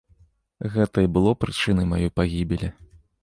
Гэта і было прычынай маёй пагібелі.